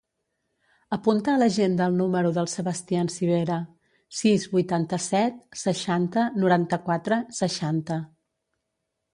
Apunta a l'agenda el número del Sebastian Civera: sis, vuitanta-set, seixanta, noranta-quatre, seixanta.